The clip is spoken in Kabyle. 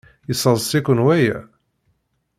Yesseḍs-iken waya?